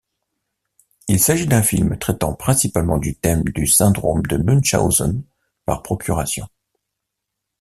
Il s'agit d'un film traitant principalement du thème du syndrome de Münchhausen par procuration.